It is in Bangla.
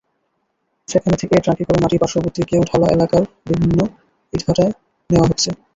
সেখান থেকে ট্রাকে করে মাটি পার্শ্ববর্তী কেওঢালা এলাকার বিভিন্ন ইটভাটায় নেওয়া হচ্ছে।